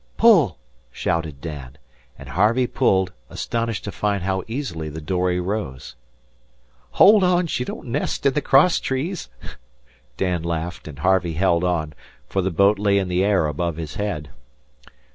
"Pull!" shouted Dan, and Harvey pulled, astonished to find how easily the dory rose. "Hold on, she don't nest in the crosstrees!" Dan laughed; and Harvey held on, for the boat lay in the air above his head.